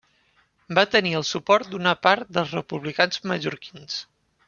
Va tenir el suport d'una part dels republicans mallorquins.